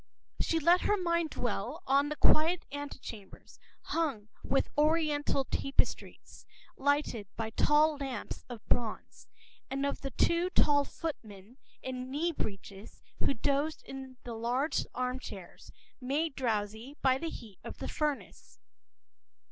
She let her mind dwell on the quiet vestibules, hung with Oriental tapestries, lighted by tall lamps of bronze, and on the two tall footmen in knee breeches who dozed in the large armchairs, made drowsy by the heat of the furnace.